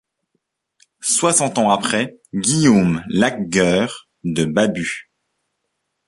Soixante ans après, Guillaume Lacger de Babut.